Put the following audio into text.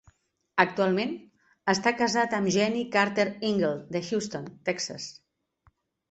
Actualment, està casat amb Jeanie Carter Engle, de Houston, Texas.